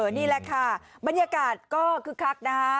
โอ้นี่แหละคะบรรยากาศก็คือครักนะฮะ